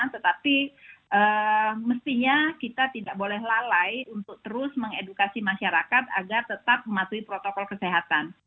tetapi mestinya kita tidak boleh lalai untuk terus mengedukasi masyarakat agar tetap mematuhi protokol kesehatan